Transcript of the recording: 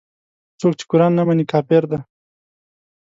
څوک چې قران نه مني کافر دی.